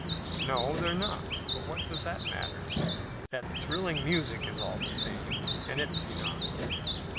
"No, they're not; but what does it matter? That thrilling music is always the same, and it's enough."